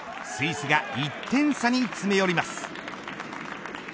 スイスが１点差に詰め寄ります。